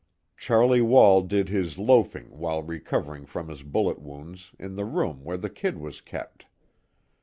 Charlie Wall did his loafing while recovering from his bullet wounds, in the room where the "Kid" was kept.